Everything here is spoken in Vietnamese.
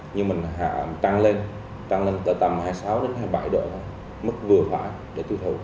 nhưng mình trăng lên trăng lên tới tầm hai mươi sáu đến hai mươi bảy độ mức vừa phải để tiêu thụ